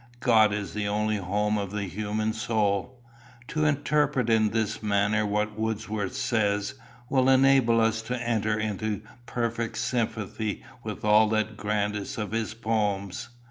God is the only home of the human soul. To interpret in this manner what Wordsworth says, will enable us to enter into perfect sympathy with all that grandest of his poems.